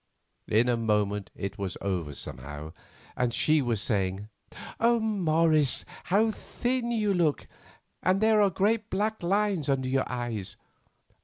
In a moment it was over somehow, and she was saying: "Morris, how thin you look, and there are great black lines under your eyes!